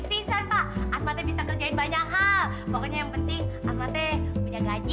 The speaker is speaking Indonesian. bisa pak ngajakin banyak hal pokoknya yang penting asmatnya punya gaji juga